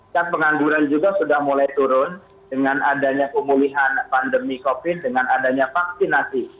kan pengangguran juga sudah mulai turun dengan adanya pemulihan pandemi covid dengan adanya vaksinasi